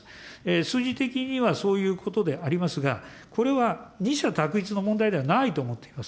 数字的にはそういうことでありますが、これは二者択一の問題ではないと思っております。